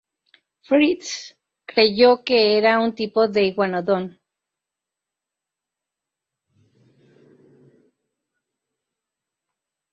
Fritsch creyó que era un tipo de iguanodon.